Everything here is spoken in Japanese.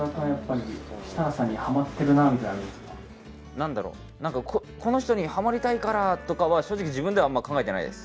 何だろう何かこの人にハマりたいからとかは正直自分ではあんま考えてないです